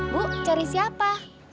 bu cari siapa